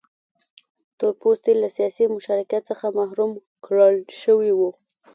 تور پوستي له سیاسي مشارکت څخه محروم کړل شوي وو.